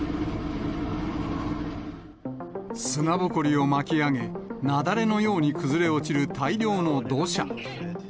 砂ぼこりを巻き上げ、雪崩のように崩れ落ちる大量の土砂。